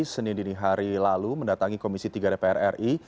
senin dini hari lalu mendatangi komisi tiga dpr ri